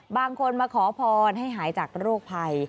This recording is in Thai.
บางคนมาขอพรให้หายจากโรคภัย